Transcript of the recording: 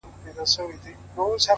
راسه دوې سترگي مي دواړي درله دركړم-